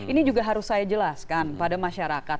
jadi ini juga harus saya jelaskan pada masyarakat